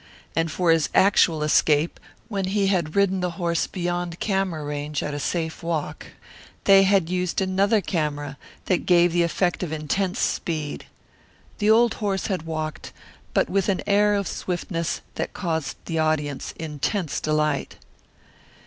And for his actual escape, when he had ridden the horse beyond camera range at a safe walk, they had used another camera that gave the effect of intense speed. The old horse had walked, but with an air of swiftness that caused the audience intense delight.